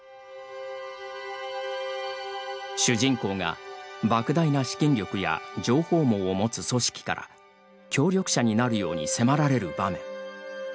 主人公が、莫大な資金力や情報網を持つ組織から協力者になるように迫られる場面。